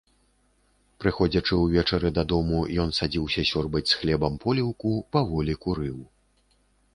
Прыходзячы ўвечары дадому, ён садзіўся сёрбаць з хлебам поліўку, паволі курыў.